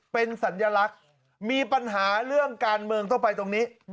เป็นสัญลักษณ์มีปัญหาเรื่องการเมืองต้องไปตรงนี้